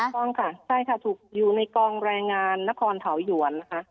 ต้องค่ะใช่ค่ะถูกอยู่ในกองแรงงานนครเถาหยวนนะคะ